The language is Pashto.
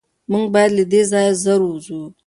موږ باید له دې ځایه زر ووځو.